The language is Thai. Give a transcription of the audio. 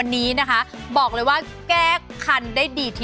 ผลิตจากอร์แกนิกและน้ำมะพร้าวบริสุทธิ์